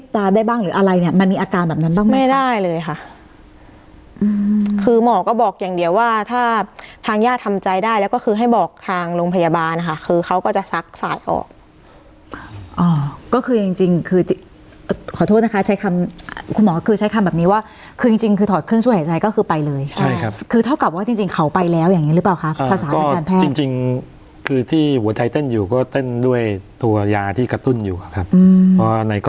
ทางโรงพยาบาลนะคะคือเขาก็จะซักสายออกอ่อก็คือจริงจริงคือขอโทษนะคะใช้คำคุณหมอคือใช้คำแบบนี้ว่าคือจริงจริงคือถอดเครื่องช่วยหายใจก็คือไปเลยใช่ครับคือเท่ากับว่าจริงจริงเขาไปแล้วอย่างงี้หรือเปล่าคะภาษานักการแพทย์จริงจริงคือที่หัวใจเต้นอยู่ก็เต้นด้วยตัวยาที่กระตุ้น